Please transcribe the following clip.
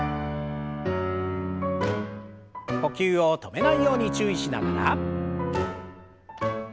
呼吸を止めないように注意しながら。